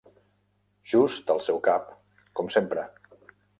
Just al seu cap, com sempre!